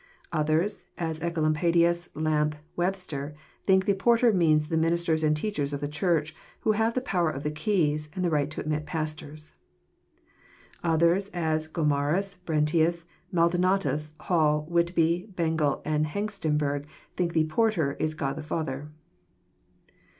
Others, as Ecolampadius, Larape, Webster, think the " por ter" means the ministers and teachers of the Church, who have the power of the keys, and the right to admit pastors. Others, as Gomarus, Brentius, Maldonatus, Hall, Whitby, Bengel, and Hengstenburg, think the "porter" is God the Father.